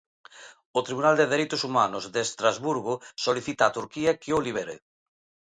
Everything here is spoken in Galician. O Tribunal de Dereitos Humanos de Estrasburgo solicita a Turquía que o libere.